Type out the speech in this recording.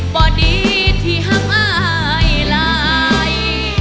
บ่ดีที่หักอายหลาย